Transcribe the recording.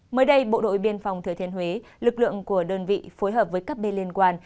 mới đây bộ đội biên phòng thừa thiên huế lực lượng của đơn vị phối hợp với các bên liên quan